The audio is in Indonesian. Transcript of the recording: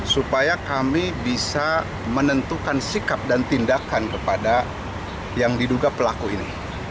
supaya kami bisa menentukan sikap dan tindakan kepada yang diduga pelaku ini